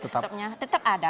misalnya seperti pentolin ada